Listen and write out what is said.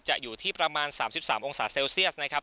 อยู่ที่ประมาณ๓๓องศาเซลเซียสนะครับ